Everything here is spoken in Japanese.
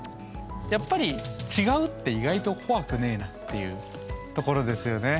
やっぱり違うって意外と怖くねえなっていうところですよね。